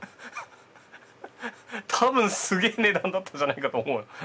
多分すげえ値段だったんじゃないかと思う。